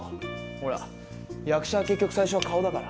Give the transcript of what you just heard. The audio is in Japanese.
ほら役者は結局最初は顔だから。